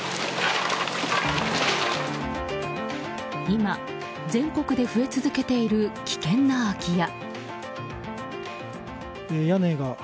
今、全国で増え続けている危険な空き家。